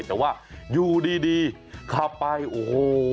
แต่ว่าอยู่ดีขับไปโอ้โห